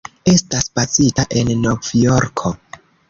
Estas bazita en Novjorko.